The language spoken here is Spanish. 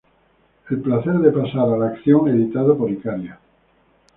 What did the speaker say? El placer de pasar a la acción" editado por Icaria.